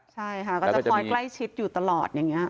ใช่ค่ะก็จะคอยใกล้ชิดอยู่ตลอดอย่างนี้